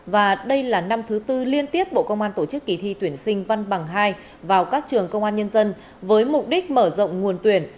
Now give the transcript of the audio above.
và đây là năm thứ tư liên tiếp bộ công an tổ chức kỳ thi tuyển sinh văn bằng hai vào các trường công an nhân dân